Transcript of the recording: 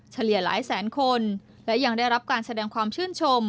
เฉลี่ยหลายแสนคนและยังได้รับการแสดงความชื่นชม